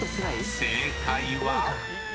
［正解は⁉］